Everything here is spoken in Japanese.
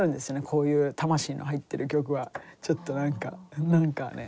こういう魂の入ってる曲はちょっと何か何かね。